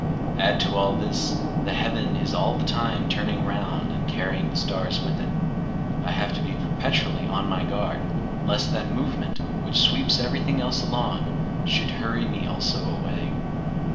Add to all this, the heaven is all the time turning round and carrying the stars with it. I have to be perpetually on my guard lest that movement, which sweeps everything else along, should hurry me also away.